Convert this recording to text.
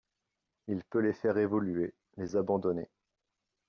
Il peut les faire évoluer, les abandonner